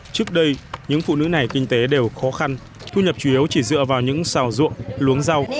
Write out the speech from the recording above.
trước đây những phụ nữ này kinh tế đều khó khăn thu nhập chủ yếu chỉ dựa vào những xào ruộng luống rau